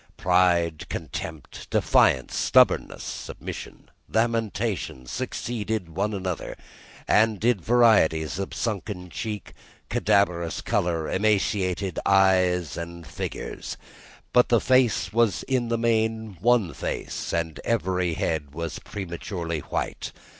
Pride, contempt, defiance, stubbornness, submission, lamentation, succeeded one another; so did varieties of sunken cheek, cadaverous colour, emaciated hands and figures. But the face was in the main one face, and every head was prematurely white.